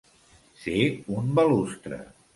Ser un balustre.